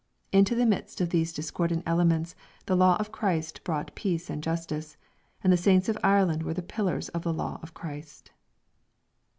Into the midst of these discordant elements the law of Christ brought peace and justice, and the Saints of Ireland were the pillars of the law of Christ.